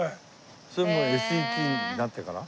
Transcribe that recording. それもうＳＥＴになってから？